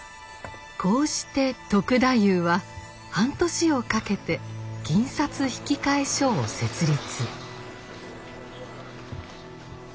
こうして篤太夫は半年をかけて銀札引換所を設立。